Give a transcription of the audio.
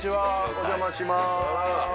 お邪魔します。